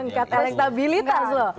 mengangkat elektabilitas loh